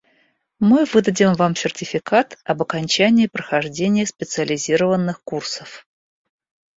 Мы выдадим вам сертификат об окончании прохождения специализированных курсов.